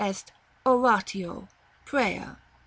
Oratio. Prayer.